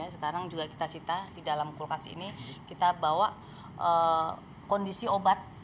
sekarang juga kita sita di dalam kulkas ini kita bawa kondisi obat